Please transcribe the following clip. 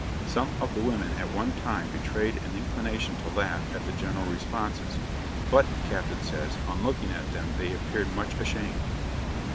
Some of the women at one time betrayed an inclination to laugh at the general responses; but, the captain says, on looking at them they appeared much ashamed.